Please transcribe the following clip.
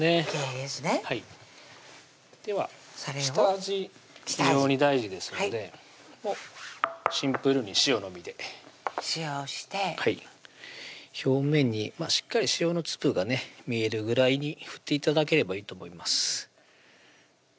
はいでは下味非常に大事ですのでシンプルに塩のみで塩をしてはい表面にしっかり塩の粒がね見えるぐらいに振って頂ければいいと思います